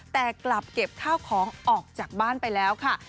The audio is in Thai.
แต่กลับเก็บข้าวของออกจากบ้านไปแล้วค่ะ